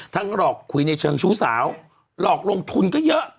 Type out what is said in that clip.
หลอกคุยในเชิงชู้สาวหลอกลงทุนก็เยอะ